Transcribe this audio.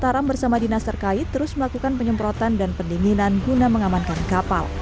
taram bersama dinas terkait terus melakukan penyemprotan dan pendinginan guna mengamankan kapal